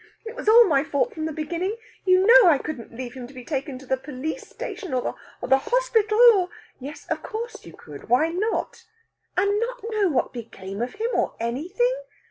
It was all my fault from the beginning. You know I couldn't leave him to be taken to the police station, or the hospital, or " "Yes, of course you could! Why not?" "And not know what became of him, or anything?